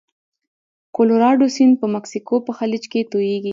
کلورادو سیند په مکسیکو په خلیج کې تویږي.